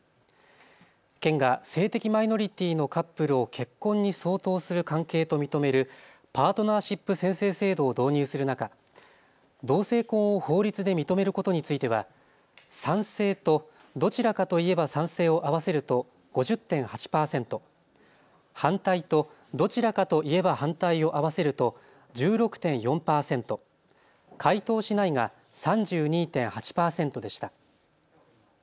県が性的マイノリティーのカップルを結婚に相当する関係と認めるパートナーシップ宣誓制度を導入する中、同性婚を法律で認めることについては、賛成とどちらかといえば賛成を合わせると５０．８％、反対とどちらかといえば反対を合わせると１６．４％、回答しないが３２．８％でした。